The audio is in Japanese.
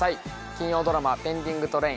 金曜ドラマ「ペンディングトレイン」